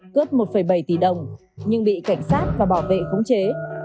cướp một bảy tỷ đồng nhưng bị cảnh sát và bảo vệ khống chế